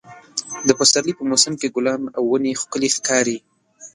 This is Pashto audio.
د پسرلي په موسم کې ګلان او ونې ښکلې ښکاري.